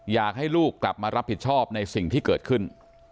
อยากให้ลูกกลับมารับผิดชอบในสิ่งที่เกิดขึ้น